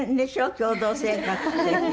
共同生活って。